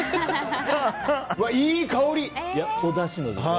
いい香り！